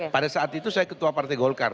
pada saat itu saya ketua partai golkar